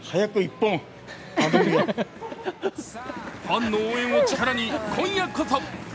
ファンの応援を力に今夜こそ。